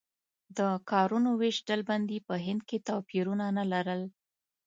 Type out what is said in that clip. د کارونو وېش ډلبندي په هند کې توپیرونه نه لرل.